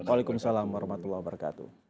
assalamualaikum warahmatullahi wabarakatuh